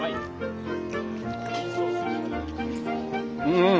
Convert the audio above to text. うん。